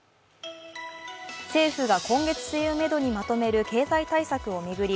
政府が今月末をめどにまとめる経済対策を巡り